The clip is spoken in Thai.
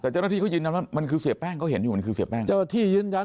จะต้องเชื่อกัน